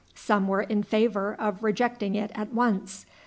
Some were in favor of rejecting it at once.